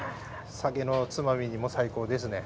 酒のつまみにも最高ですね。